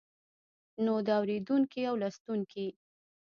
نو د اوريدونکي او لوستونکي